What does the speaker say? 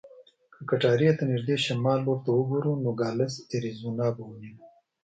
که کټارې ته نږدې شمال لور ته وګورو، نوګالس اریزونا به وینو.